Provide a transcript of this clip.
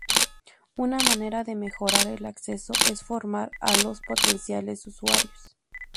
Una manera de mejorar el acceso es formar a los potenciales usuarios.